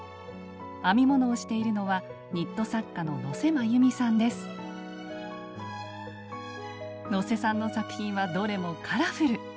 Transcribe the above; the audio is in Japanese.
編み物をしているのは能勢さんの作品はどれもカラフル。